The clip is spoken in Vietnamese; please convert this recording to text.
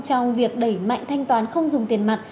trong việc đẩy mạnh thanh toán không dùng tiền mặt